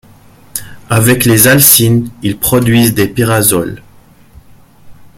Avec les alcynes, ils produisent des pyrazoles.